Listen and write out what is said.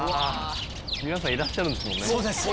皆さんいらっしゃるんですもんね。